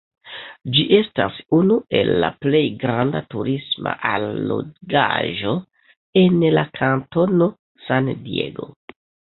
Ĝi estas unu el la plej granda turisma allogaĵo en la kantono San Diego.